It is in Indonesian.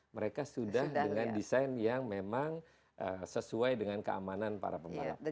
mereka sudah dengan desain yang memang sesuai dengan keamanan para pembalap